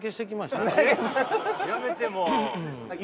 やめてもう。